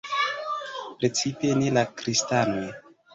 Precipe ne la kristanoj.